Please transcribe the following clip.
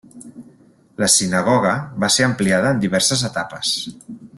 La sinagoga va ser ampliada en diverses etapes.